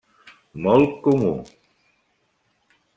Molt comú.